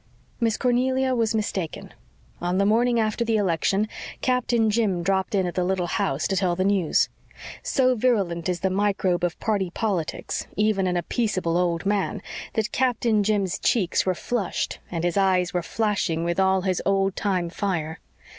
Miss Cornelia was mistaken. On the morning after the election Captain Jim dropped in at the little house to tell the news. So virulent is the microbe of party politics, even in a peaceable old man, that Captain Jim's cheeks were flushed and his eyes were flashing with all his old time fire.